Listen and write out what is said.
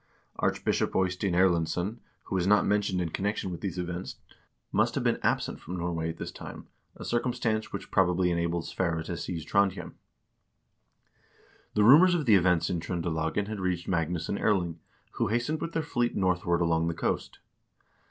Archbishop Eystein Erlendsson, who is not mentioned in connection SVERRE SIGURDSSON AND THE BIRKEBEINER 379 with these events, must have been absent from Norway at this time, a circumstance which, probably, enabled Sverre to seize Trondhjem. The rumors of the events in Tr0ndelagen had reached Magnus and Erling, who hastened with their fleet northward along the coast.